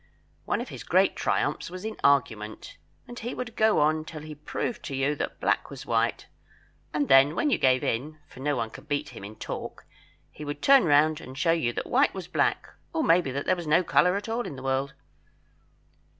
One of his great triumphs was in argument; and he would go on till he proved to you that black was white, and then when you gave in, for no one could beat him in talk, he would turn round and show you that white was black, or maybe that there was no colour at all in the world.